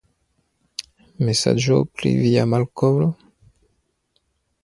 Mesaĝo pri via malkovro?